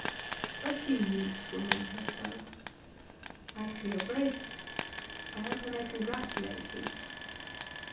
"A few weeks will make her so. As for your Grace, I hope I may congratulate you."